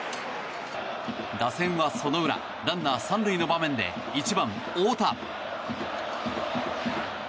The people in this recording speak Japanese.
打線はその裏ランナー３塁の場面で１番、大田。